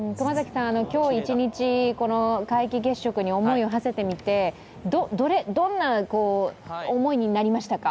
今日一日、この皆既月食に思いをはせてみてどんな思いになりましたか？